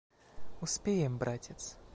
Успеем, братец.